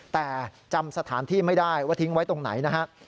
แต่จำสถานที่ไม่ได้ว่าทิ้งไว้ตรงไหนนะฮะ